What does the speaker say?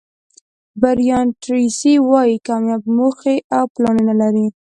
برایان ټریسي وایي کامیاب موخې او پلانونه لري.